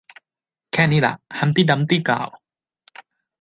แค่นี้ล่ะ ฮัมพ์ตี้ดัมพ์ตี้กล่าว